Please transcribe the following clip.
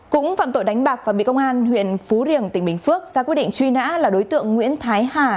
cũng phạm tội đánh bạc và bị công an huyện phú riềng tỉnh bình phước ra quyết định truy nã là đối tượng nguyễn thái hà